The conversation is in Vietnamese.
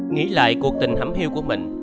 nghĩ lại cuộc tình hấm hiu của mình